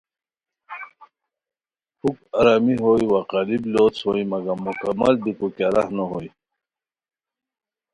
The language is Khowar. پُھک آرامی ہوئے وا قالیپ لوڅ ہوئے مگم مکمل جم بیکو کیہ راہ نو ہوئے